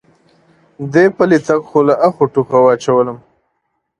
دې پلی تګ خو له آخه او ټوخه واچولم.